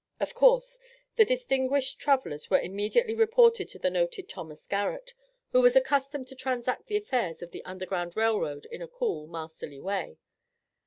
Of course, the distinguished travelers were immediately reported to the noted Thomas Garrett, who was accustomed to transact the affairs of the Underground Rail Road in a cool masterly way.